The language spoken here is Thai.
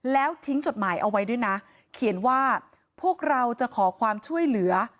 แล้วทิ้งจดหมายเอาไว้ด้วยนะเขียนว่าพวกเราจะขอความช่วยเหลือ